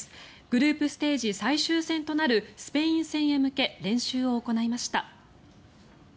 グループステージ最終戦となるスペイン戦へ向け練習を行いました。